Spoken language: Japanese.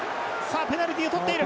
ペナルティーをとっている。